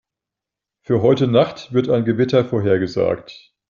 Für heute Nacht wird ein Gewitter vorhergesagt.